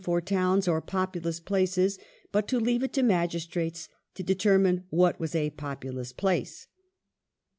for towns or "populous places," but to leave it to magistrates to determine what was a "populous place